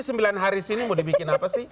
sembilan hari mau bikin apa sih